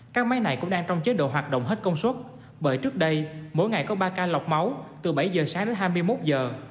các máy này cũng đang trong chế độ hoạt động hết công suất bởi trước đây mỗi ngày có ba ca lọc máu từ bảy giờ sáng đến hai mươi một giờ